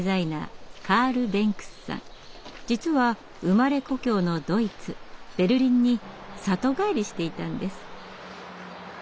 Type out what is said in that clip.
実は生まれ故郷のドイツ・ベルリンに里帰りしていたんです。